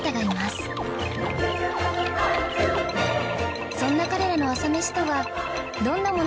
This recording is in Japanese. そんな彼らの朝メシとはどんなものなのでしょうか？